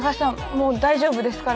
もう大丈夫ですから。